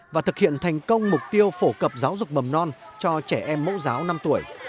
và thực hiện thành công mục tiêu phổ cập giáo dục mầm non cho trẻ em mẫu giáo năm tuổi